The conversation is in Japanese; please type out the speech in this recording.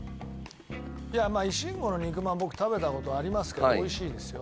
いやまあ維新號の肉まん僕食べた事ありますけどおいしいですよ。